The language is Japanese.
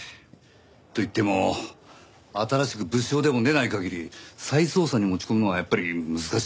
といっても新しく物証でも出ない限り再捜査に持ち込むのはやっぱり難しいんじゃないですか？